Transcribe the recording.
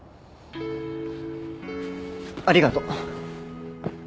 ありがと。